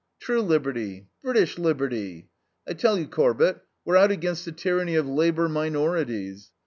True liberty. British liberty. I tell you, Corbett, we're out against the tyranny of Labour minorities.